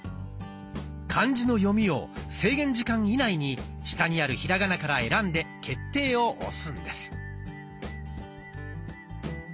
漢字の読みを制限時間以内に下にあるひらがなから選んで「決定」を押すんです。